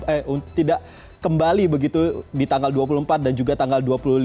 eh tidak kembali begitu di tanggal dua puluh empat dan juga tanggal dua puluh lima